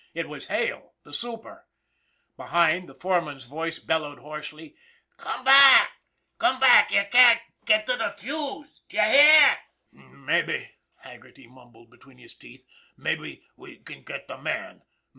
It was Hale the super ! Behind, the foreman's voice bellowed hoarsely: " Come back ! Come back ! Ye can't get to the fuse ! D'ye hear!" " Mabbe," mumbled Haggerty between his teeth, " mabbe we can get the man.